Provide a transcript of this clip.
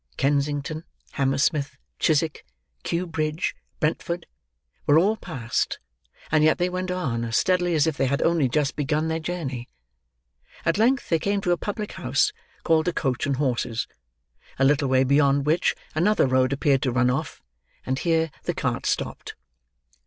Kensington, Hammersmith, Chiswick, Kew Bridge, Brentford, were all passed; and yet they went on as steadily as if they had only just begun their journey. At length, they came to a public house called the Coach and Horses; a little way beyond which, another road appeared to run off. And here, the cart stopped.